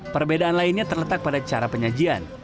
perbedaan lainnya terletak pada cara penyajian